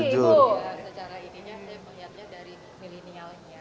iya secara ininya saya melihatnya dari milenialnya